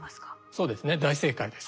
そうですね大正解です。